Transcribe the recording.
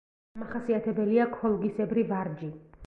დამახასიათებელია ქოლგისებრი ვარჯი.